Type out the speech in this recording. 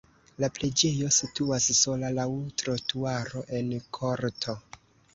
La preĝejo situas sola laŭ trotuaro en korto.